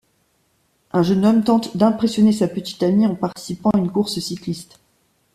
Un jeune homme tente d'impressionner sa petite amie en participant à une course cycliste.